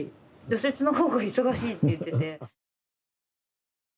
除雪の方が忙しいって言ってて。